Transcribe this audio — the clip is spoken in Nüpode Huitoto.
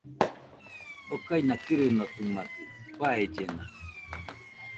Okaina kɨrɨnotɨmakɨ, faellena